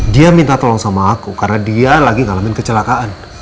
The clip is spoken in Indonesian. dia minta tolong sama aku karena dia lagi ngalamin kecelakaan